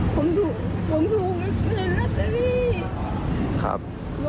คุณแม่ครับ